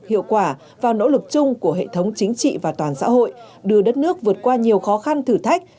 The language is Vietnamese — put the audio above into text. hiệu quả vào nỗ lực chung của hệ thống chính trị và toàn xã hội đưa đất nước vượt qua nhiều khó khăn thử thách